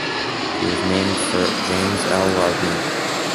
She was named for James L. Lardner.